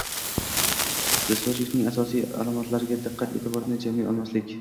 Djosgning asosiy alomatlariga diqqat-eʼtiborni jamlay olmaslik